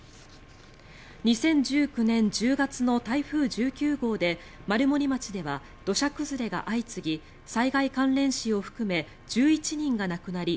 ２０１９年１０月の台風１９号で丸森町では土砂崩れが相次ぎ災害関連死を含め１１人が亡くなり